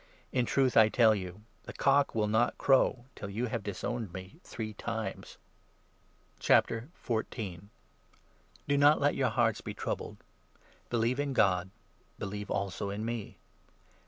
" In 38 truth I tell you, the cock will not crow till you have disowned me three times. JOHN, 14. 195 Do not let your hearts be troubled. Believe in i ; e ay* God ; believe also in me.